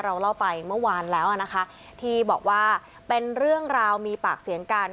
เราเล่าไปเมื่อวานแล้วนะคะที่บอกว่าเป็นเรื่องราวมีปากเสียงกัน